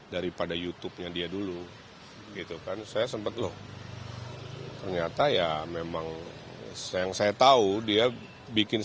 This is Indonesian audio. daripada youtubenya dia dulu gitu kan saya sempat loh ternyata ya memang sayang saya tahu dia bikin